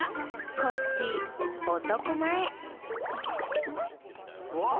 コッシーおとこまえおっ